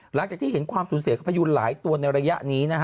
หลังจากที่เห็นความสูญเสียของพยูนหลายตัวในระยะนี้นะฮะ